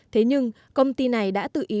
thế nhưng công ty này đã tự ý